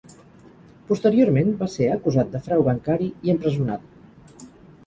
Posteriorment, va ser acusat de frau bancari i empresonat.